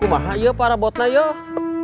kumaha yuk para botna yuk